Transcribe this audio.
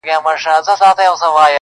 دا ئې قواله په چا ئې منې.